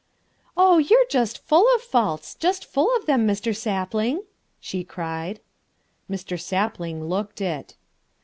"Oh, you're just full of faults, just full of them, Mr. Sapling!" she cried. Mr. Sapling looked it.